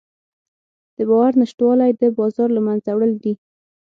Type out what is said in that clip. د باور نشتوالی د بازار له منځه وړل دي.